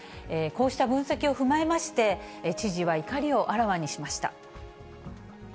こうした分析を踏まえまして、知事は怒りをあらわにしました。